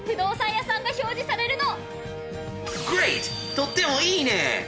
とってもいいね！